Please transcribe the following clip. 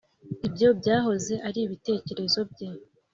ibyo byahoze ari ibitekerezo bye.